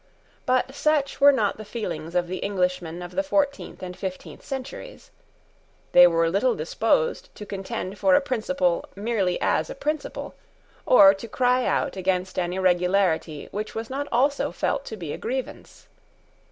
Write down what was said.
But such were not the feelings of the Englishmen of the fourteenth and fifteenth centuries. They were little disposed to contend for a principle merely as a principle, or to cry out against an irregularity which was not also felt to be a grievance.